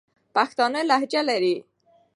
پښتانه لهجه لري.